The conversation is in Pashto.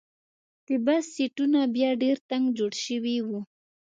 د بس سیټونه بیا ډېر تنګ جوړ شوي وو.